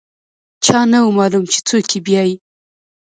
چا نه و معلوم چې څوک یې بیايي.